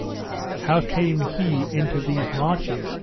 How came he into these marches?